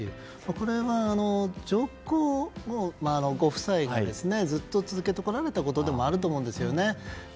これは上皇・上皇后ご夫妻がずっと続けてこられたことでもあると思うんですよね。